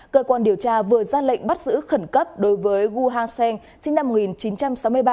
cơ quan điều tra vừa ra lệnh bắt giữ khẩn cấp đối với gu ha sen sinh năm một nghìn chín trăm sáu mươi ba